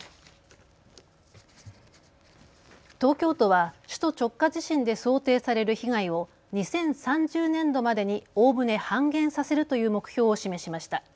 東京都は首都直下地震で想定される被害を２０３０年度までにおおむね半減させるという目標を示しました。